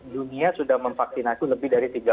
dunia sudah memvaksinasi lebih dari